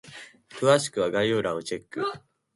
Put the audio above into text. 詳しくは概要欄をチェック！